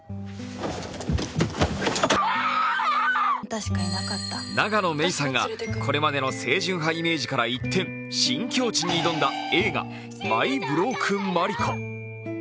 写真が永野芽郁さんがこれまでの清純派イメージから一転新境地に挑んだ映画「マイ・ブロークン・マリコ」。